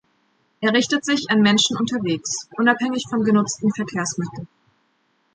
Er richtet sich an „Menschen unterwegs“, unabhängig vom genutzten Verkehrsmittel.